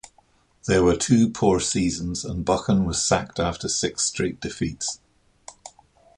There were two poor seasons and Buchan was sacked after six straight defeats.